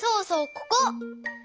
ここ！